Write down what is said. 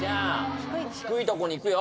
低いとこにいくよ。